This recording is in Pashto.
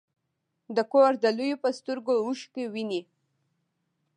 د کور د لویو په سترګو اوښکې وینې.